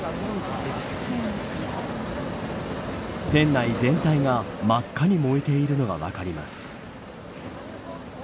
店内全体が真っ赤に燃えているのが分かります。